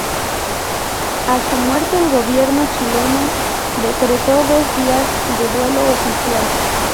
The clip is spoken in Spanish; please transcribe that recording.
A su muerte, el gobierno chileno decretó dos días de duelo oficial.